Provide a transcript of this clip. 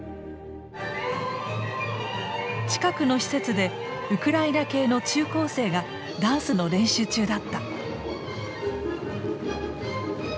近くの施設でウクライナ系の中高生がダンスの練習中だった。